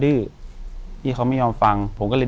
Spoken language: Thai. อยู่ที่แม่ศรีวิรัยิลครับ